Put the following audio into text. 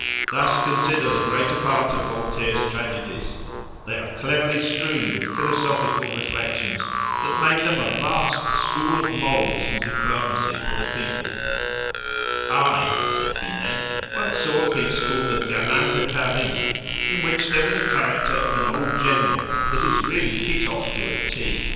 Thus consider the greater part of Voltaire's tragedies; they are cleverly strewn with philosophical reflections, that made them a vast school of morals and diplomacy for the people." It corrects customs through laughter. "I," said Binet, "once saw a piece called the 'Gamin de Paris,' in which there was the character of an old general that is really hit off to a T.